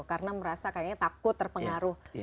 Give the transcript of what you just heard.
karena merasa kayaknya takut terpengaruh